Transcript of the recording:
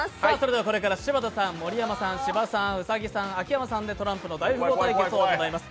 これから柴田さん、盛山さん芝さん、兎さん、秋山さんでトランプの「大富豪」対決を行います。